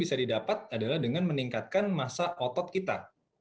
bisa didapat adalah dengan meningkatkan masa otot kita